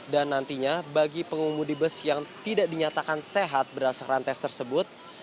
dan nantinya bagi pengumudi bus yang tidak dinyatakan sehat berdasarkan tes tersebut